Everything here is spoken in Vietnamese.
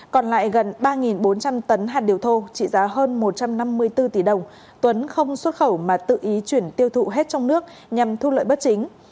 còn lại gần ba bốn trăm linh tấn hạt điều thô trị giá hơn một trăm năm mươi bốn tỷ đồng tuấn không xuất khẩu mà tự ý chuyển tiêu thụ hết trong nước nhằm thu lợi bất chính